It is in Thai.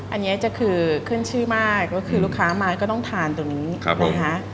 อันนี้จะคือขึ้นชื่อมากก็คือลูกค้ามาก็ต้องทานตรงนี้นะคะ